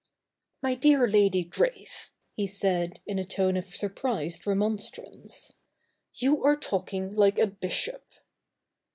' My dear Lady Grace,' he said in a tone of surprised remonstrance, ' you are talking like a bishop.'